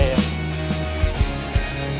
terima kasih pak